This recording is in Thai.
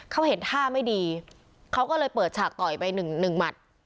เขาเห็นท่าไม่ดีเขาก็เลยเปิดฉากต่อยไปหนึ่งหมัด